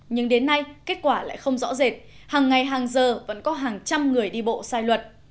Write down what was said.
nhưng đến nay kết quả lại không rõ rệt hàng ngày hàng giờ vẫn có hàng trăm người đi bộ sai luật